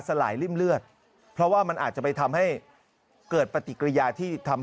สลายริ่มเลือดเพราะว่ามันอาจจะไปทำให้เกิดปฏิกิริยาที่ทำ